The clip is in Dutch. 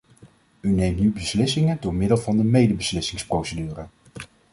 U neemt nu beslissingen door middel van de medebeslissingsprocedure.